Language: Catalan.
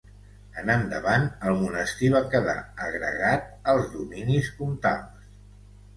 En endavant el monestir va quedar agregat als dominis comtals.